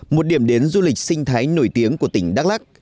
một điểm đến du lịch sinh thái nổi tiếng của tỉnh đắk lắc